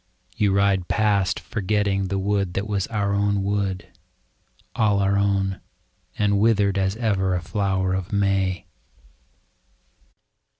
You ride past forgetting the wood that was our own wood. All our own — and withered as ever a flower of May.